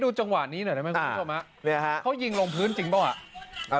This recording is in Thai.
ดูจังหวะนี้เขายิงลงพื้นจริงหรือเปล่า